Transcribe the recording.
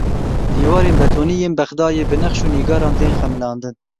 Dîwarên betonî yên Bexdayê bi nexş û nîgaran tên xemilandin.